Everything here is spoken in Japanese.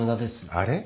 あれ？